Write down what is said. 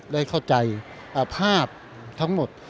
ได้เข้าใจภาพทั้งหมด